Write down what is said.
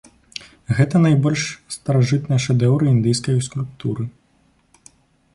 Гэта найбольш старажытныя шэдэўры індыйскай скульптуры.